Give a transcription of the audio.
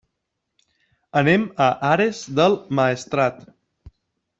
Anem a Ares del Maestrat.